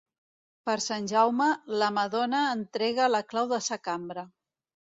Per Sant Jaume, la madona entrega la clau de sa cambra.